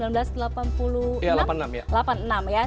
membawa argentina pada tahun seribu sembilan ratus delapan puluh enam